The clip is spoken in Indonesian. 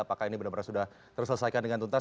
apakah ini benar benar sudah terselesaikan dengan tuntas